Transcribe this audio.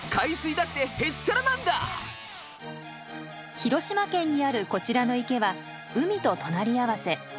広島県にあるこちらの池は海と隣り合わせ。